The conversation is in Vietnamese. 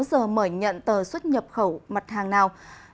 giờ mở nhận tờ xuất nhập khẩu mặt hàng nào